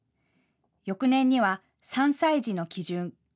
翌年には３歳児の基準。